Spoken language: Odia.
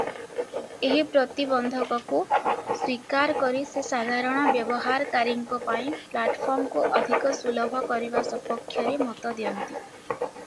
ଏହି ପ୍ରତିବନ୍ଧକକୁ ସ୍ୱୀକାର କରି ସେ ସାଧାରଣ ବ୍ୟବହାରକାରୀଙ୍କ ପାଇଁ ପ୍ଲାଟଫର୍ମକୁ ଅଧିକ ସୁଲଭ କରିବା ସପକ୍ଷରେ ମତଦିଅନ୍ତି ।